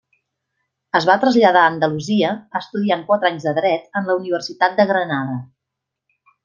Es va traslladar a Andalusia estudiant quatre anys de Dret en la Universitat de Granada.